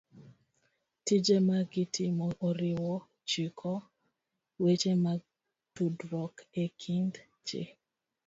Tije ma gitimo oriwo chiko weche mag tudruok e kind ji.